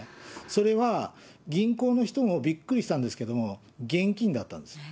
それは、銀行の人もびっくりしたんですけども、現金だったんです。